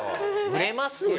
売れますよ。